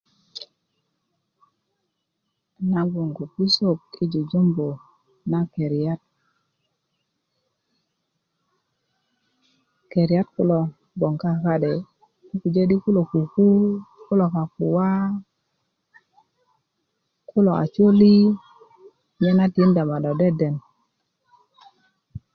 nan gböŋ ko pusök yi jujumbu na keriyat keriyat kulo gböŋ ka'de ka'de do pujö di kulo kuku kakuwak kulo acholi nye na tinda ma do deden